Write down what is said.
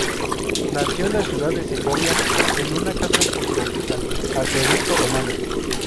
Nació en la ciudad de Segovia, en una casa junto al acueducto romano.